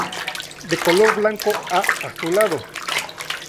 De color blanco a azulado.